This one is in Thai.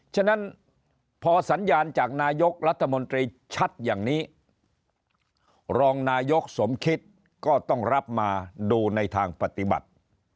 ฉะนั้นพอสัญญาณจากนายกรัฐมนตรีชัดอย่างนี้รองนายกสมคิดก็ต้องรับมาดูในทางปฏิบัติ